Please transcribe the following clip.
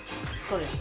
そうです。